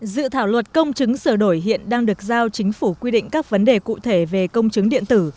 dự thảo luật công chứng sửa đổi hiện đang được giao chính phủ quy định các vấn đề cụ thể về công chứng điện tử